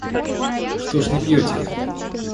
Что ж не поете?